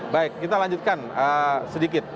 baik kita lanjutkan sedikit